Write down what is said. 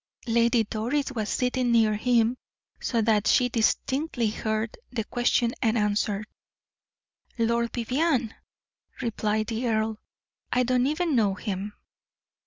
Lady Doris was sitting near him, so that she distinctly heard the question and answer. "Lord Vivianne!" replied the earl. "I do not even know him."